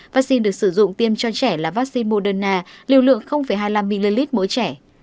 vaccine được sử dụng tiêm cho trẻ là vaccine moderna liều lượng hai mươi năm ml mỗi trẻ